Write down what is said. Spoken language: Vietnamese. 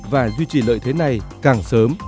và duy trì lợi thế này càng sớm